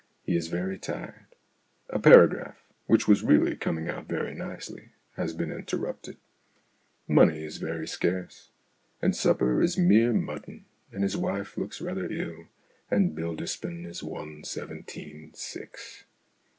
He is very tired. A paragraph which was really coming out very nicely has been interrupted. Money is very scarce. And supper is mere mutton, and his wife looks rather ill, and Bilderspin is one seven teen six.